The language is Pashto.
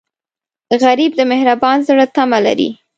غریب د مهربان زړه تمه لري